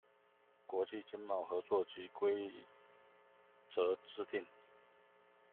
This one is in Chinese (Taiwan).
國際經貿合作及規則制定